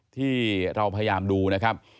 ที่เราพยายามดูนะครับ